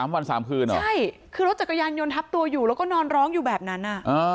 วัน๓คืนเหรอใช่คือรถจักรยานยนต์ทับตัวอยู่แล้วก็นอนร้องอยู่แบบนั้น